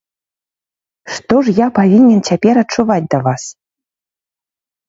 Што ж я павінен цяпер адчуваць да вас?